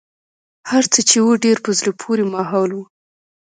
هرڅه چې و ډېر په زړه پورې ماحول و.